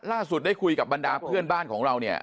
ล่าสุดได้คุยกับบรรดาเพื่อนบ้านของเราเนี่ย